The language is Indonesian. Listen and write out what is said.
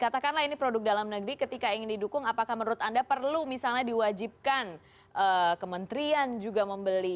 katakanlah ini produk dalam negeri ketika ingin didukung apakah menurut anda perlu misalnya diwajibkan kementerian juga membeli